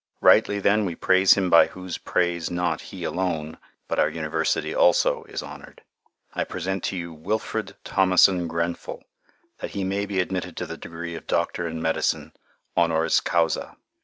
Rightly then we praise him by whose praise not he alone, but our University also is honored. I present to you Wilfred Thomason Grenfell, that he may be admitted to the degree of Doctor in Medicine, HONORIS CAUSA."